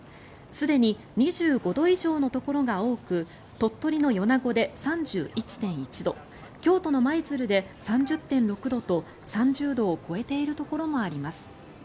すでに２５度以上のところが多く鳥取の米子で３１．１度京都の舞鶴で３０．６度と３０度を超えているところもあります。